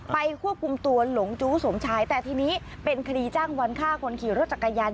ควบคุมตัวหลงจู้สมชายแต่ทีนี้เป็นคดีจ้างวันฆ่าคนขี่รถจักรยาน